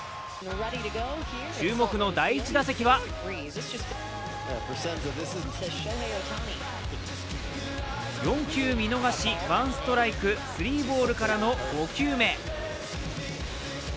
注目の第１打席は４球見逃し、ワンストライクスリーボールからの５球目。